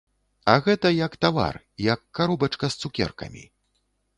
А гэта як тавар, як каробачка з цукеркамі.